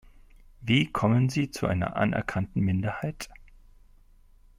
Wie kommen Sie zu einer anerkannten Minderheit?